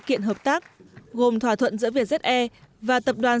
các doanh nghiệp việt nam đã thực hiện hợp tác gồm thỏa thuận giữa vietjet air và tập đoàn